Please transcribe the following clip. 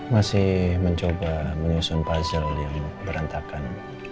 masih mencoba menyusun puzzle yang berantakan